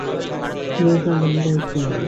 রোগা, লম্বা একটি মানুষ।